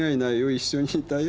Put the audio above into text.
一緒にいたよ。